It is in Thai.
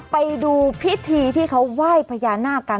ไปดูพิธีที่เขาไหว้พญานาคกัน